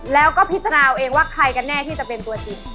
แล้วก็พิจารณาเอาเองว่าใครกันแน่ที่จะเป็นตัวจริง